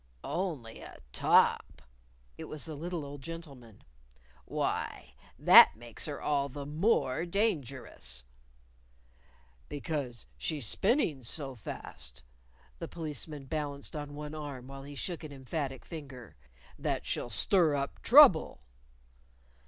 "Only a top!" It was the little old gentleman. "Why, that makes her all the more dangerous!" "Because she's spinning so fast" the Policeman balanced on one arm while he shook an emphatic finger "that she'll stir up trouble!"